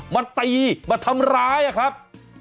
มาตีมาทำร้ายอะครับ